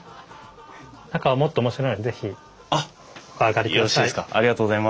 中はもっと面白いので是非お上がりください。